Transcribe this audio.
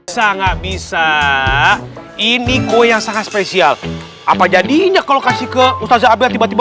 sangat bisa ini kue yang sangat spesial apa jadinya kalau kasih ke ustaza abel tiba tiba